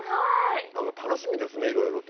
楽しみですねいろいろと。